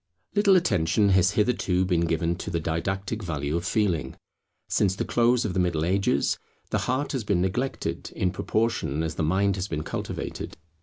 Little attention has hitherto been given to the didactic value of Feeling. Since the close of the Middle Ages, the heart has been neglected in proportion as the mind has been cultivated.